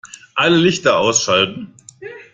Alle Lichter ausschalten